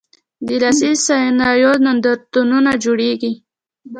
د لاسي صنایعو نندارتونونه جوړیږي؟